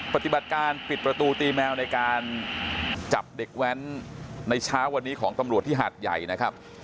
ปฏิบัติการปิดประตูตีแมวในการจับเด็กแว้นในเช้าวันนี้ของตำรวจที่หาดใหญ่นะครับ